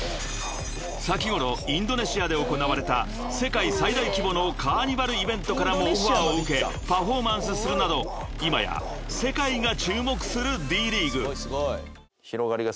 ［先頃インドネシアで行われた世界最大規模のカーニバルイベントからもオファーを受けパフォーマンスするなど今や世界が注目するＤ．ＬＥＡＧＵＥ］